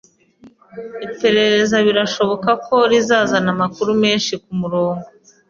Iperereza birashoboka ko rizazana amakuru menshi kumurongo.